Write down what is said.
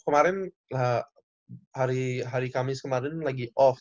kemarer n hari kamis kemarin lagi off